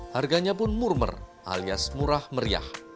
harganya pun murmer alias murah meriah